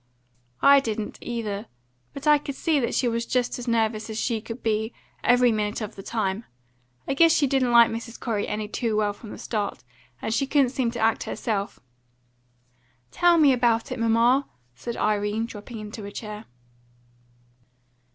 "I didn't, either. But I could see that she was just as nervous as she could be, every minute of the time. I guess she didn't like Mrs. Corey any too well from the start, and she couldn't seem to act like herself." "Tell me about it, mamma," said Irene, dropping into a chair.